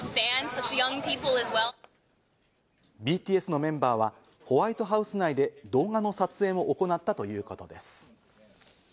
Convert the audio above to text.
ＢＴＳのメンバーは、ホワイトハウス内で動画の撮影も行ったということです。